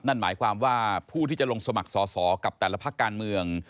นั่นหมายความว่าผู้ที่จะลงสมัครสอสอกับแต่ละพักการเมือง